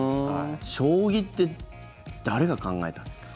将棋って誰が考えたんですか？